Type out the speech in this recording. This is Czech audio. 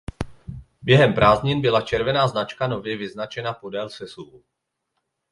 Během prázdnin byla červená značka nově vyznačena podél sesuvu.